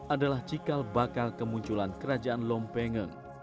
adalah cikal bakal kemunculan kerajaan lompengeng